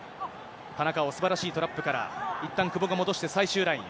田中碧、すばらしいトラップから、いったん久保が戻って、最終ライン。